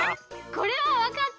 これはわかった！